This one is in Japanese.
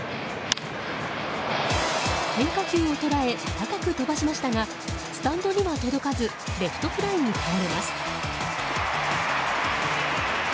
変化球を捉え高く飛ばしましたがスタンドには届かずレフトフライに倒れます。